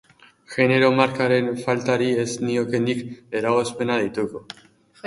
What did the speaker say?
Genero-markaren faltari ez nioke nik eragozpena deituko.